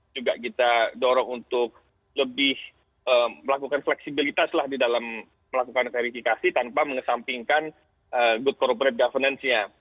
juga kita dorong untuk lebih melakukan fleksibilitas lah di dalam melakukan verifikasi tanpa mengesampingkan good corporate governance nya